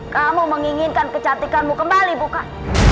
kamu menginginkan kecantikanmu kembali bukan